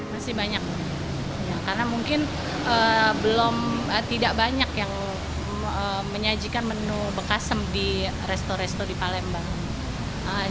masih banyak karena mungkin belum tidak banyak yang menyajikan menu bekasim di resto resto di palembang